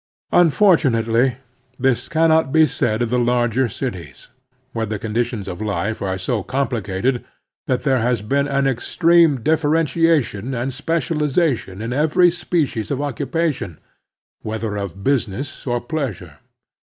Unforttmately, this cannot be said of the larger cities, where the conditions of life are so compli cated that there has been an extreme differentia tion and specialization in every species of occupa tion, whether of business or pleasure.